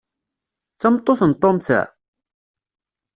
D tameṭṭut n Tom, ta?